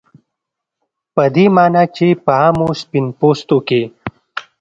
په دې معنا چې په عامو سپین پوستو کې